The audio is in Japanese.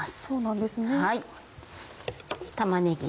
そうなんですね。